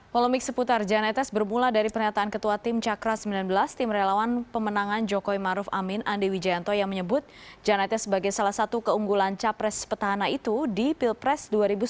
polemik seputar jan etes bermula dari pernyataan ketua tim cakra sembilan belas tim relawan pemenangan jokowi maruf amin andi wijayanto yang menyebut jan etes sebagai salah satu keunggulan capres petahana itu di pilpres dua ribu sembilan belas